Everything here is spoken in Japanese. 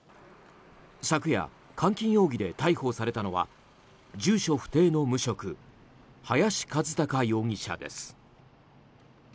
昨夜、監禁容疑で逮捕されたのは住所不定の無職林一貴容疑者です。